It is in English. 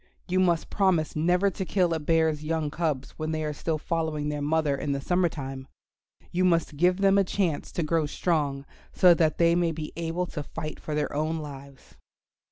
You must promise never to kill a bear's young cubs when they are still following their mother in the summer time. You must give them a chance to grow strong, so that they may be able to fight for their own lives."